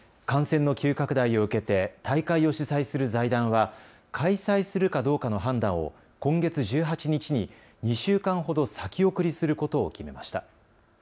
感染の急拡大を受けて大会を主催する財団は開催するかどうかの判断を今月１８日に２週間ほど先送りすることを決めました。